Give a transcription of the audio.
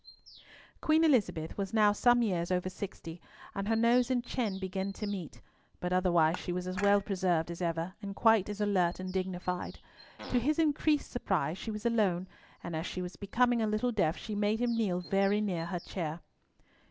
Queen Elizabeth was now some years over sixty, and her nose and chin began to meet, but otherwise she was as well preserved as ever, and quite as alert and dignified. To his increased surprise, she was alone, and as she was becoming a little deaf, she made him kneel very near her chair.